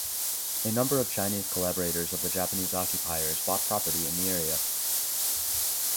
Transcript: A number of Chinese collaborators of the Japanese occupiers bought property in the area.